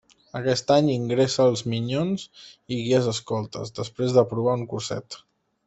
Aquest any, ingressa als Minyons i Guies Escoltes després d’aprovar un curset.